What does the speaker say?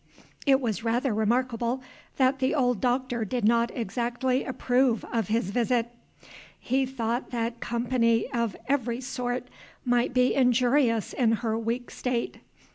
It was rather remarkable that the old Doctor did not exactly approve of his visit. He thought that company of every sort might be injurious in her weak state.